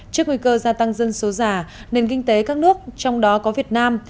trước nguy cơ gia tăng dân số già nền kinh tế các nước trong đó có việt nam